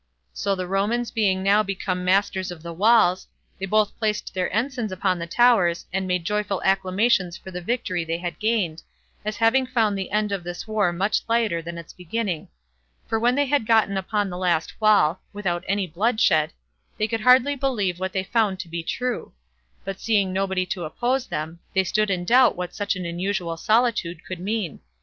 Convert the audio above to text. So the Romans being now become masters of the walls, they both placed their ensigns upon the towers, and made joyful acclamations for the victory they had gained, as having found the end of this war much lighter than its beginning; for when they had gotten upon the last wall, without any bloodshed, they could hardly believe what they found to be true; but seeing nobody to oppose them, they stood in doubt what such an unusual solitude could mean.